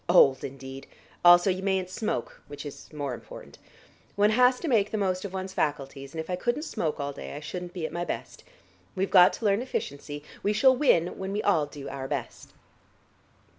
Old, indeed! Also you mayn't smoke, which is more important. One has to make the most of one's faculties, and if I couldn't smoke all day, I shouldn't be at my best. We've got to learn efficiency; we shall win when we all do our best."